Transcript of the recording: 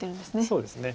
そうですね。